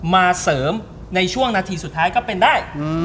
มาเสริมในช่วงนาทีสุดท้ายก็เป็นได้